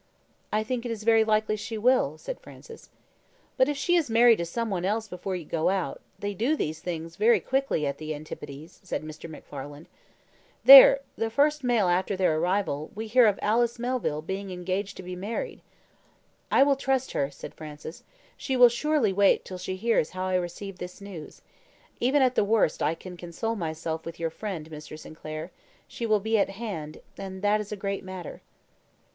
"I think it is very likely she will," said Francis. "But if she is married to some one else before you go out they do these things very quickly at the antipodes," said Mr. MacFarlane. "There the first mail after their arrival, we hear of Alice Melville being engaged to be married." "I will trust her," said Francis. "She will surely wait till she hears how I receive this news. Even at the worst I can console myself with your friend, Mr. Sinclair; she will be at hand, and that is a great matter."